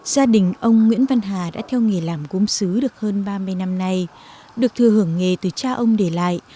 gia đình ông nguyễn văn hà đã theo nghề làm gốm xứ được hơn ba mươi năm nay được thừa hưởng nghề từ cha ông để lại